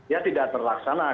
ya tidak terlaksana